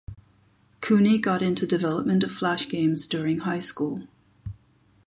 Cooney got into development of Flash games during high school.